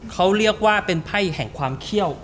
เขาเรียกว่าเป็นไพ่แห่งความเขี้ยว